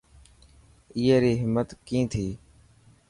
اي ري همت ڪئي ٿي.